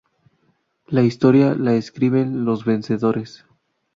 La Historia la escriben los vencedores